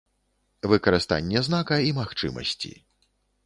Выкарыстанне знака і магчымасці.